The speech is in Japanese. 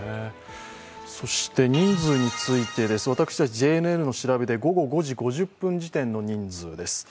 そして人数について、私たちＪＮＮの調べで午後５時５０分時点の人数です。